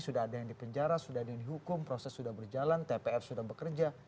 sudah ada yang dipenjara sudah ada yang dihukum proses sudah berjalan tpf sudah bekerja